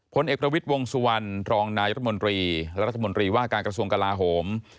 ผลเอกประวิทย์วงสุวรรณรองนายรัฐมนตรีและรัฐมนตรีว่าการกระทรวงกลาโหม